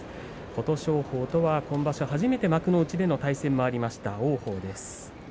琴勝峰とは今場所初めて幕内での対戦がありました王鵬です。